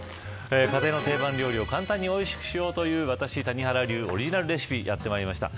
家庭の定番料理を簡単においしくしようという私谷原流オリジナルレシピやってまりました。